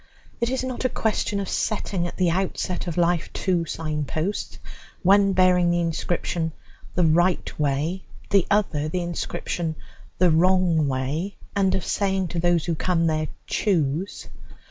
It is not a question of setting at the outset of life two sign posts, one bearing the inscription "The Right Way," the other the inscription "The Wrong Way," and of saying to those who come there, "Choose."